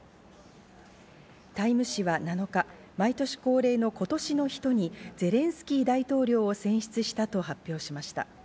『タイム』誌は７日、毎年恒例の今年の人にゼレンスキー大統領を選出したと発表しました。